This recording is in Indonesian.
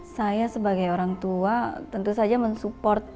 saya sebagai orang tua saya berhasil mengantongi prestasi baik akademik maupun non akademik